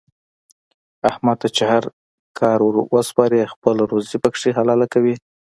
احمد ته چې هر کار ور وسپارې خپله روزي پکې حلاله کوي.